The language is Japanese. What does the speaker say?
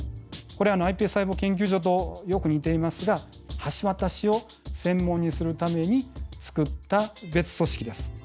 これｉＰＳ細胞研究所とよく似ていますが橋渡しを専門にするために作った別組織です。